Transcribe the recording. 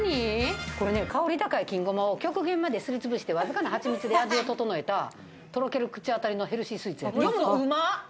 香り高い金胡麻を極限まで、すりつぶして、わずかな蜂蜜で味を調えた、とろける口当たりのヘルシースイーツだって。